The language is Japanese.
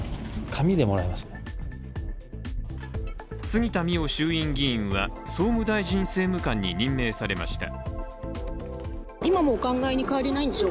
杉田水脈衆院議員は総務大臣政務官に任命されました。